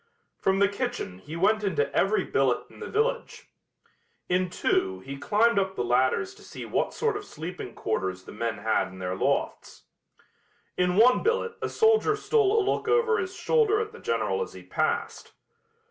From the kitchen he went into every billet in the village. In two he climbed up the ladders to see what sort of sleeping quarters the men had in their lofts. In one billet a soldier stole a look over his shoulder at the General as he passed.